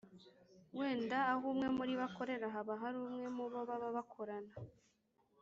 wenda aho umwe muribo akorera haba hari umwe mubo baba bakorana